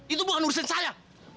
itu bukan urusan saya